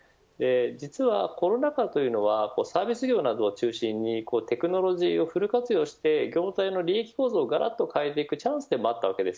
実はコロナ禍というのはサービス業などが中心にテクノロジーをフル活用して業態の利益構造をがらっと変えていくチャンスでしたか